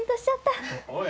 おい。